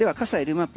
マップ。